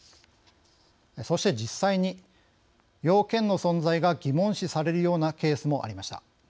そして実際に要件の存在が疑問視されるようなケースもありました。